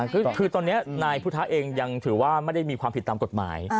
คือตอนนี้นายพุทธะเองยังถือว่าไม่ได้มีความผิดตามกฎหมาย